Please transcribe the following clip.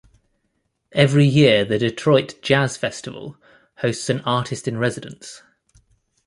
Every year the Detroit Jazz Festival hosts an Artist in Residence.